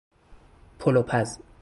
پلوپز